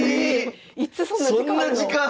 いつそんな時間あるの？